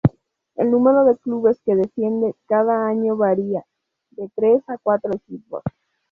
El número de clubes que desciende cada año varía, de tres a cuatro equipos.